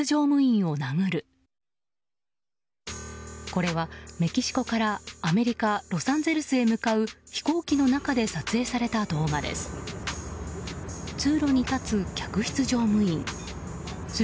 これはメキシコからアメリカ・ロサンゼルスへ向かう飛行機の中で撮影された動画です。